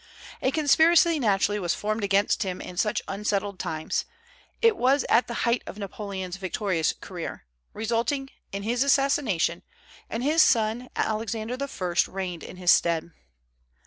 A conspiracy naturally was formed against him in such unsettled times, it was at the height of Napoleon's victorious career, resulting in his assassination, and his son Alexander I. reigned in his stead.